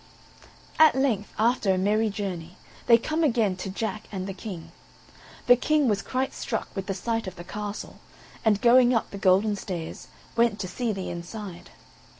At length, after a merry journey, they come again to Jack and the King. The King was quite struck with the sight of the castle; and going up the golden stairs, went to see the inside.